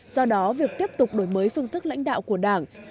do đó việc tiếp tục đổi mới phương thức lãnh đạo của đảng